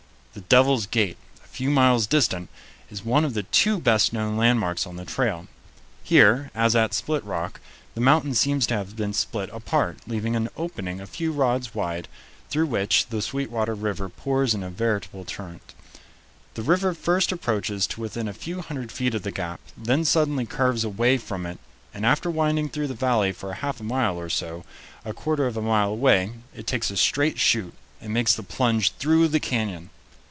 The Devil's Gate, a few miles distant, is one of the two best known landmarks on the trail. Here, as at Split Rock, the mountain seems to have been split apart, leaving an opening a few rods wide, through which the Sweetwater River pours in a veritable torrent. The river first approaches to within a few hundred feet of the gap, then suddenly curves away from it, and after winding through the valley for half a mile or so, a quarter of a mile away, it takes a straight shoot and makes the plunge through the canyon.